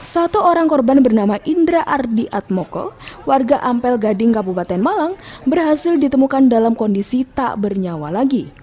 satu orang korban bernama indra ardi atmoko warga ampel gading kabupaten malang berhasil ditemukan dalam kondisi tak bernyawa lagi